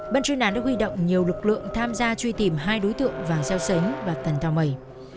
bân chuyên án đã huy động nhiều lực lượng tham gia truy tìm hai đối tượng vàng xeo sánh và tần thao mẩy